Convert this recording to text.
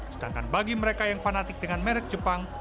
sedangkan bagi mereka yang fanatik dengan merek jepang